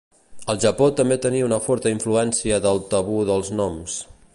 El Japó també tenia una forta influència del tabú dels noms.